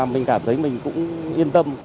mình cảm thấy mình cũng yên tâm